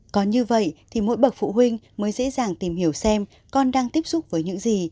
có như vậy thì mỗi bậc phụ huynh mới dễ dàng tìm hiểu xem con đang tiếp xúc với những gì